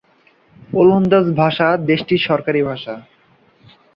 ওলন্দাজ ভাষা দেশটির সরকারি ভাষা।